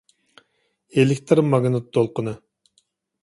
ئېلېكتىر ماگنىت دولقۇنى